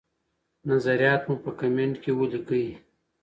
نظریات مو په کمنټ کي ولیکئ.